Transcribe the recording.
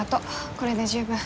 これで十分。